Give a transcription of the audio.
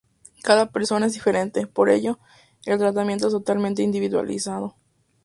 Cada persona es diferente; por ello, el tratamiento es totalmente individualizado.